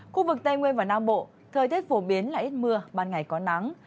khu vực tây nguyên và nam bộ thời tiết phổ biến là ít mưa ban ngày có nắng